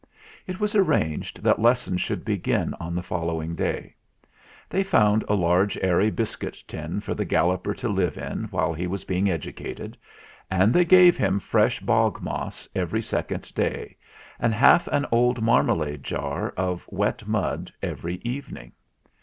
It was arranged that lessons should begin on the following day. They found a large airy biscuit tin for the Galloper to live in while he was being educated, and they gave him fresh bog moss every second day, and half an old marmalade jar of wet mud every evening.